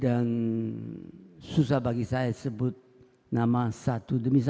dan susah bagi saya sebut nama satu demi satu